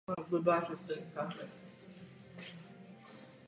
Po svém přistání byl zadržen a vězněn v londýnském Toweru.